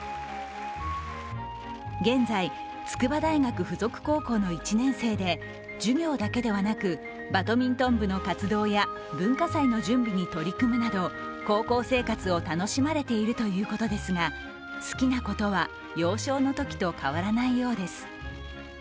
現在、筑波大学附属高校の１年生で授業だけではなく、バドミントン部の活動や、文化祭の準備に取り組むなど高校生活を楽しまれているということですが好きなことは幼少のときと変わらないようです。